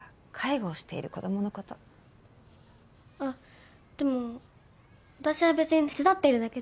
あっでも私は別に手伝っているだけで。